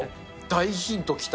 大ヒント来た。